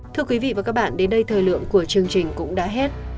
thưa quý vị và các bạn đến đây thời lượng của chương trình cũng đã hết